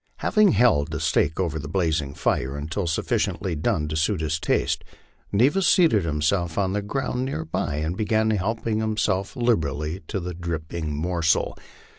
Having held the steak over the blazing fire until sufficiently done to suit his taste, Neva seated himself on the ground near by and began helping himself liberally to the dripping morsel.